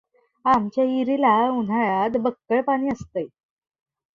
आमच्या हिरीला उन्हाळ्यात बक्कळ पाणी असतंय.